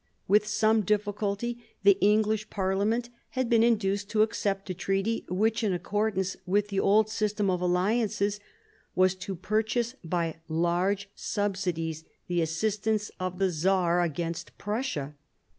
With some difficulty the English Parliament had been induced to accept a treaty which, in accordance with the old system of alliances, was to purchase by large subsidies the assistance of the Czar against Prussia.